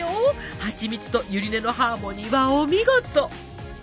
ハチミツとゆり根のハーモニーはお見事！